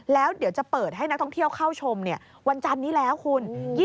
แล้วเดี๋ยวจะเปิดให้นักท่องเที่ยวเข้าชมวันจันนี้แล้วคุณ